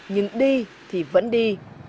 nhưng đi thì vẫn đi